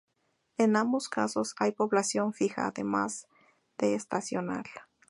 En ambos casos hay población fija, además de estacional.